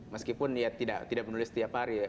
meskipun ya tidak tidak menulis tiap hari ya